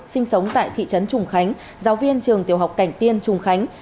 sinh sống tại thị trấn trùng khánh giáo viên trường tiểu học cảnh tiên trùng khánh